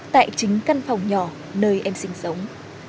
tại chính căn phòng nhỏ nơi em sinh sống